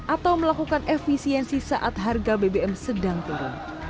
atau melakukan efisiensi saat harga bbm sedang turun